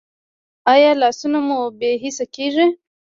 ایا لاسونه مو بې حسه کیږي؟